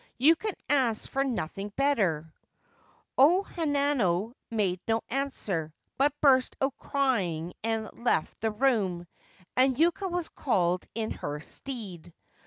You can ask for nothing) better/ O Hanano made no answer, but burst out crying and | left the room ; and Yuka was called in her stead.